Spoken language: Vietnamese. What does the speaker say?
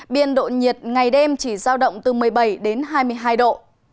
biên độ nhiệt ngày đêm chỉ giao động từ một mươi bảy đến hai mươi hai độ